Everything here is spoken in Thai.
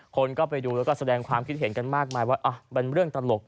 คนก็ไปดูแล้วก็แสดงความคิดเห็นกันมากมายว่าเป็นเรื่องตลก